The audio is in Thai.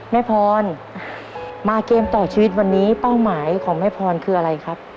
แม่พรมาเกมต่อชีวิตวันนี้เป้าหมายของแม่พรคืออะไรครับ